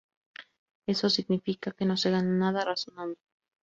Eso significa que no se gana nada razonando".